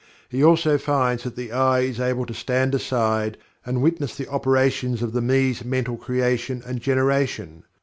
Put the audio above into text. He also finds that the "I" is able to stand aside and witness the operations of the "Me's" mental creation and generation.